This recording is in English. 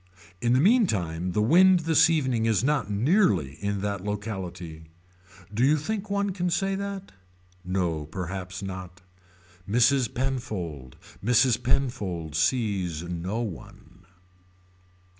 In the meantime the wind this evening is not nearly in that locality. Do you think one can say that. No perhaps not. Mrs. Penfold. Mrs. Penfold sees no one.